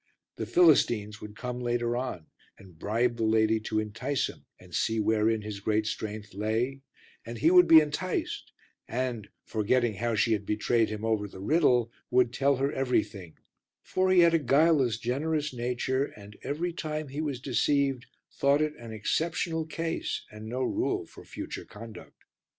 The Philistines would come later on and bribe the lady to entice him and see wherein his great strength lay, and he would be enticed and, forgetting how she had betrayed him over the riddle, would tell her everything; for he had a guileless, generous nature, and every time he was deceived thought it an exceptional case and no rule for future conduct.